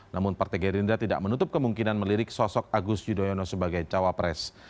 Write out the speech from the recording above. namun partai gerindra tidak menutup kemungkinan melirik sosok agus yudhoyono sebagai cawapres